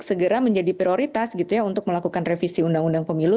segera menjadi prioritas gitu ya untuk melakukan revisi undang undang pemilu